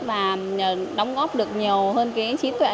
và đóng góp được nhiều hơn trí tuệ